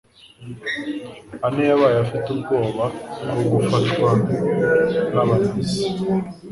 Anne yabayeho afite ubwoba bwo gufatwa n'Abanazi.